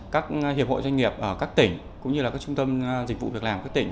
các hiệp hội doanh nghiệp ở các tỉnh cũng như là các trung tâm dịch vụ việc làm của các tỉnh